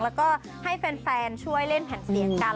แล้วก็ให้แฟนช่วยเล่นแผ่นเสียงกัน